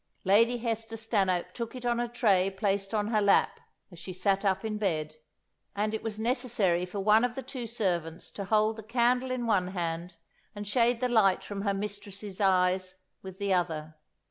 Lady Hester Stanhope took it on a tray placed on her lap as she sat up in bed, and it was necessary for one of the two servants to hold the candle in one hand and shade the light from her mistress's eyes with the other.